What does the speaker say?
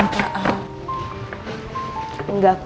nggak kok bu sama sekali nggak